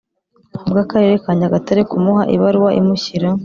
bw Akarere ka Nyagatare kumuha ibaruwa imushyira